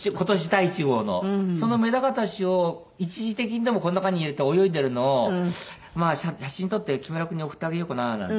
そのメダカたちを一時的にでもこの中に入れて泳いでるのを写真撮って木村君に送ってあげようかななんて。